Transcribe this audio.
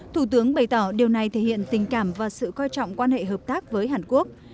thủ tướng bày tỏ điều này thể hiện tình cảm và sự coi trọng quan hệ hợp tác với hàn quốc